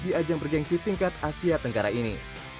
di ajang bergensi tingkat asia tenggara ini